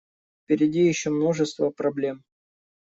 Впереди еще множество проблем.